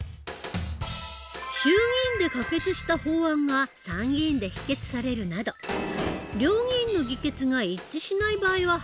衆議院で可決した法案が参議院で否決されるなど両議院の議決が一致しない場合は廃案になる。